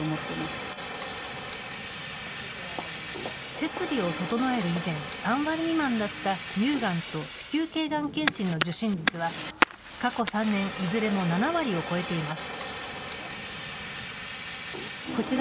設備を整える以前、３割未満だった乳がんと子宮けいがん検診の受診率は、過去３年、いずれも７割を超えています。